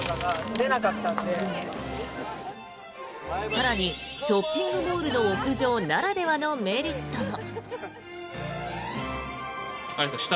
更に、ショッピングモールの屋上ならではのメリットも。